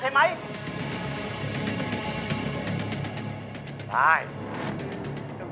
ชุดศพมันคล้ายกับ